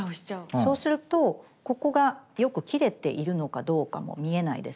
そうするとここがよく切れているのかどうかも見えないですし。